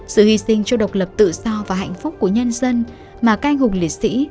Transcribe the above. sự hy sinh cho độc lập tự do và hạnh phúc của nhân dân mà các anh hùng liệt sĩ